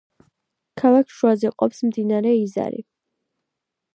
ქალაქს შუაზე ყოფს მდინარე იზარი.